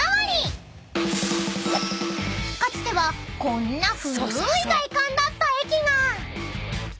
［かつてはこんな古い外観だった駅が］